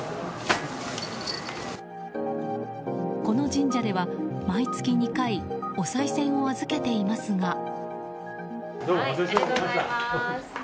この神社では毎月２回おさい銭を預けていますが。